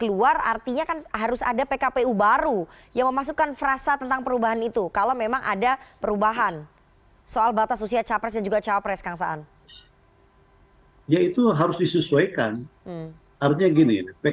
undang undang nomor tujuh tahun dua ribu tujuh belas